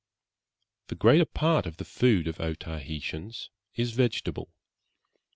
The greater part of the food of Otaheitans is vegetable.